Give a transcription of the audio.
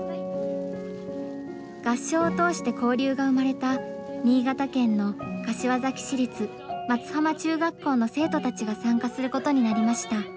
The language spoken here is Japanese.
合唱を通して交流が生まれた新潟県の柏崎市立松浜中学校の生徒たちが参加することになりました。